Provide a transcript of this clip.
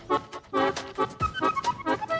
โอ้โฮโอ้โฮ